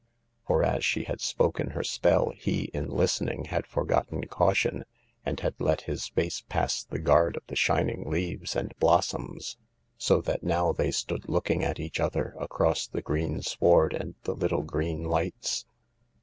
For, as she had spoken her spell, he, in listening, had forgotten caution and had let his face pass the guard of the shining leaves and blossoms. So that now they stood looking at each other across the green sward and the little green lights.